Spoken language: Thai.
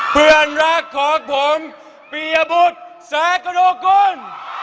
เพื่อนรักของผมปริยบุษแซคโนกุล